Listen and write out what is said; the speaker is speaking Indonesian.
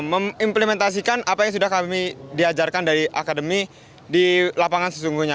mengimplementasikan apa yang sudah kami diajarkan dari akademi di lapangan sesungguhnya